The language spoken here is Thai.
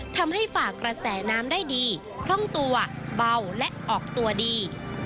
ฝากกระแสน้ำได้ดีคล่องตัวเบาและออกตัวดี